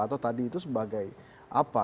atau tadi itu sebagai apa